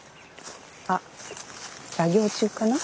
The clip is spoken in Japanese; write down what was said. あ作業中かな？